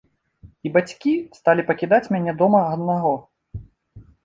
І бацькі сталі пакідаць мяне дома аднаго.